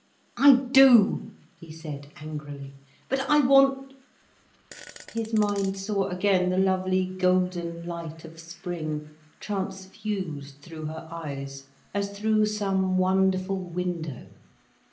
"I do," he said angrily. "But I want—" His mind saw again the lovely golden light of spring transfused through her eyes, as through some wonderful window.